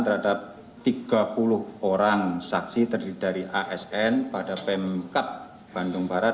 terhadap tiga puluh orang saksi terdiri dari asn pada pemkap bandung barat